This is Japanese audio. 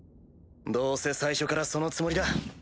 どうせ最初からそのつもりだ。